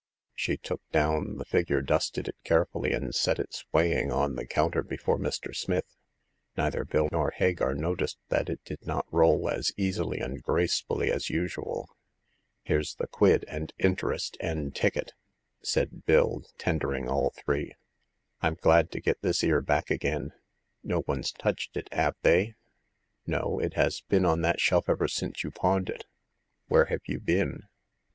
She took down the figure, dusted it carefully, and set it swaying on the counter before Mr. Smith. Neither Bill nor Hagar noticed that it did not roll as easily and gracefully as usual. ^^ Here's the quid and interest and ticket," said The Seventh Customer. 187 Bill, tendering all three. Fm glad to get this *ere back again. No one's touched it, 'ave they ?"No. It has been on that shelf ever since you pawned it. Where have you been